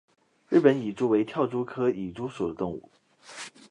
日本蚁蛛为跳蛛科蚁蛛属的动物。